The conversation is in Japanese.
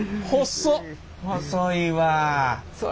細いわあ。